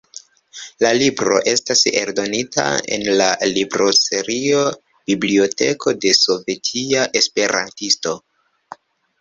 La libro estas eldonita en la libroserio "Biblioteko de Sovetia Esperantisto"